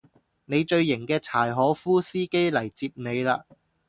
你最型嘅柴可夫司機嚟接你喇